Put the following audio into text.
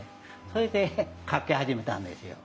それで描き始めたんですよ。